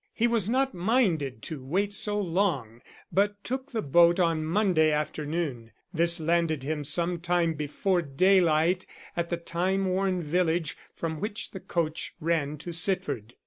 He was not minded to wait so long but took the boat on Monday afternoon. This landed him some time before daylight at the time worn village from which the coach ran to Sitford.